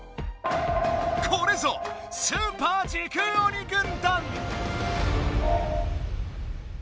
これぞスーパー時空鬼軍団！